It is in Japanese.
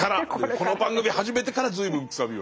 この番組始めてから随分楔は。